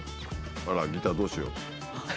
あらギターどうしよう？